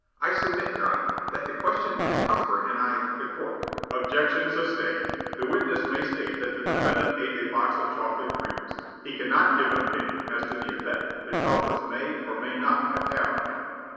I submit, your honor, that the question is proper and I " The Court: "Objection sustained. The witness may state that the defendant ate a box of chocolate creams. He cannot give an opinion as to the effect the chocolates may or may not have had on him."